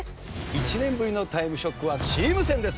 １年ぶりの『タイムショック』はチーム戦です。